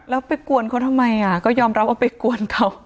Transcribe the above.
แล้วไปกวนเขาทำไมก็ยอมรับว่าไปกวนเขา